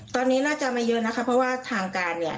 ตอนนี้น่าจะไม่เยอะนะคะเพราะว่าทางการเนี่ย